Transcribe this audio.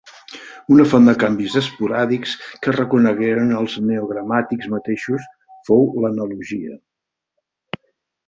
Una font de canvis esporàdics que reconegueren els neogramàtics mateixos fou l'analogia.